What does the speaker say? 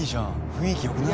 雰囲気良くない？